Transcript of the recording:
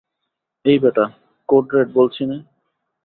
এই ব্যাটা, code red বলেছি না?